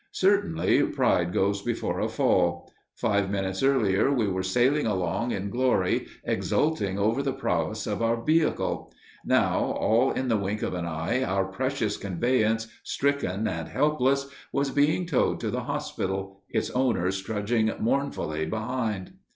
Certainly, pride goes before a fall. Five minutes earlier we were sailing along in glory, exulting over the prowess of our vehicle. Now, all in the wink of an eye, our precious conveyance, stricken and helpless, was being towed to the hospital, its owners trudging mournfully behind.